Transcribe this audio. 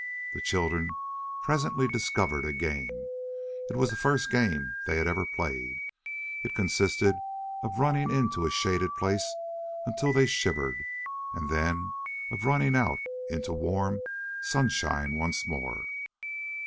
The children presently discovered a game. It was the first game they had ever played. It consisted of running into a shaded place until they shivered, and then of running out into warm sunshine once more.